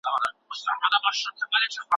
سیلانیان تل په کڅوړو کې نقشه لري.